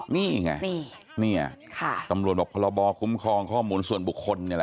นี่ไงนี่ไงตำรวจบอกพรบคุ้มครองข้อมูลส่วนบุคคล